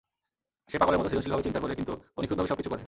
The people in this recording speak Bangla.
সে পাগলের মতো সৃজনশীলভাবে চিন্তা করে কিন্তু, ও নিখুঁতভাবে সবকিছু করে।